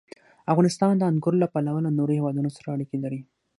افغانستان د انګور له پلوه له نورو هېوادونو سره اړیکې لري.